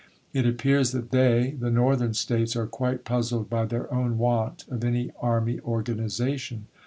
It appears that they, the Northern States, are quite puzzled by their own want of any Army organization.